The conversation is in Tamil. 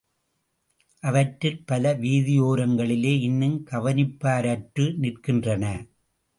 அவற்றில் பல வீதியோரங்களிலே இன்னும் கவனிப்பாரற்று நிற்கின்றன.